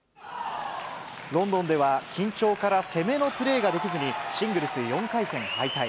ロンドンでは、緊張から攻めのプレーができずに、シングルス４回戦敗退。